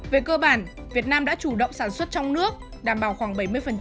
về cơ bản việt nam đã chủ động sản xuất trong nước đảm bảo khoảng bảy mươi